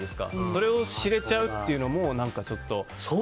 それを知れちゃうのもちょっと。